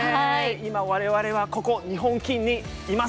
今我々はここ日本棋院にいます。